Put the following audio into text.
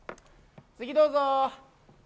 次、どうぞ！